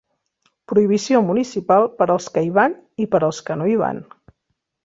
Prohibició municipal per als que hi van i per als que no hi van.